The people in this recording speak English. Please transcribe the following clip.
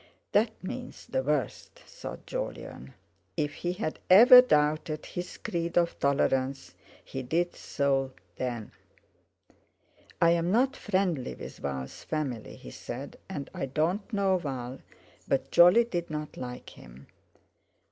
"That means the worst," thought Jolyon. If he had ever doubted his creed of tolerance he did so then. "I'm not friendly with Val's family," he said, "and I don't know Val, but Jolly didn't like him."